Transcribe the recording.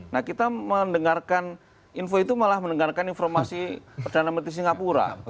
nah kita mendengarkan info itu malah mendengarkan informasi perdana menteri singapura